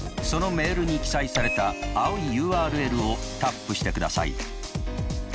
そのメールに記載された青いＵＲＬをタップしてください。